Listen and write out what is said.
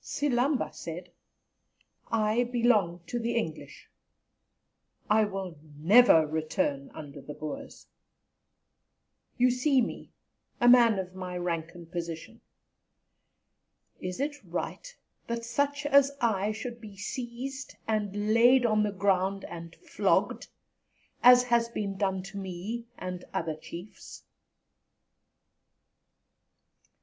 Silamba said: "I belong to the English. I will never return under the Boers. You see me, a man of my rank and position; is it right that such as I should be seized and laid on the ground and flogged, as has been done to me and other Chiefs?"